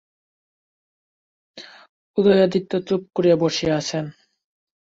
উদয়াদিত্য চুপ করিয়া বসিয়া আছেন।